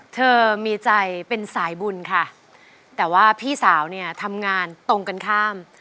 เธอมีใจเป็นสายบุญค่ะแต่ว่าพี่สาวเนี่ยทำงานตรงกันข้าม